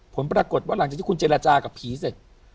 ผลปรากฏว่าหลังจากที่คุณเจรจากับผีเสร็จ